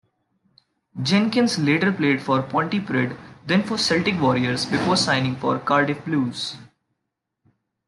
Jenkins later played for Pontypridd, then for Celtic Warriors before signing for Cardiff Blues.